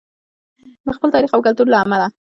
د خپل تاریخ او کلتور له امله.